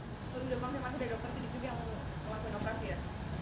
kan udah pasti masih ada dokter sidik yang mau melakukan operasi ya